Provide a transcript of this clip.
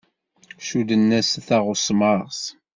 Cudden-as taɣesmart.